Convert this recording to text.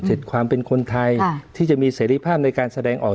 ความเป็นคนไทยที่จะมีเสรีภาพในการแสดงออก